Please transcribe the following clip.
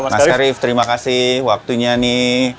mas arief terima kasih waktunya nih